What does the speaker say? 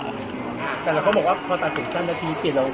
แต่เราก็บอกว่าพอตัดผมสั้นแล้วชีวิตเปลี่ยนเรา